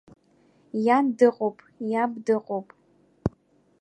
Иан дыҟоуп, иаб дыҟоуп.